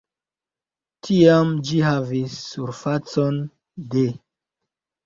Tiam ĝi havis surfacon de.